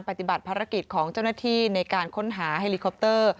ปฏิบัติภารกิจของเจ้าหน้าที่ในการค้นหาเฮลิคอปเตอร์